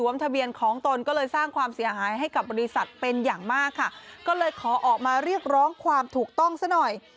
มากค่ะก็เลยขอออกมาเรียกร้องความถูกต้องซักหน่อย